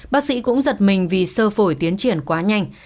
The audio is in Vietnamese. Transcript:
bác sĩ cũng giật mình vì sơ phổi tiến triển quá nhanh